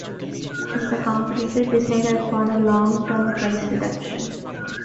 Has the competitor decided upon a long-term price reduction?